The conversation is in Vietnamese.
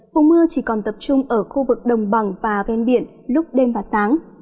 vùng mưa chỉ còn tập trung ở khu vực đồng bằng và ven biển lúc đêm và sáng